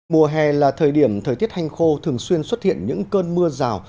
mùa hè là thời điểm thời tiết hanh khô thường xuyên xuất hiện những cơn mưa rào